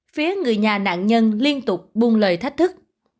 phía người nhà nạn nhân liên tục buôn lời thách thức